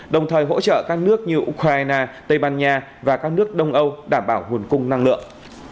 đồng thời hỗ trợ các nước như ukraine tây ban nha và các nước đông âu đảm bảo nguồn cung năng lượng